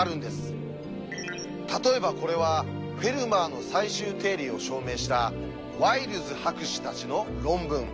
例えばこれは「フェルマーの最終定理」を証明したワイルズ博士たちの論文。